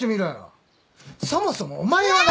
そもそもお前はな。